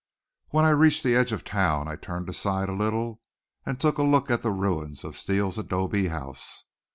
When I reached the edge of town I turned aside a little and took a look at the ruins of Steele's adobe house.